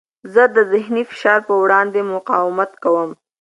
زه د ذهني فشار په وړاندې مقاومت کوم.